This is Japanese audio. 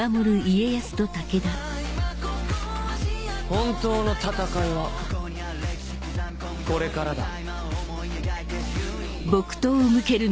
本当の戦いはこれからだ。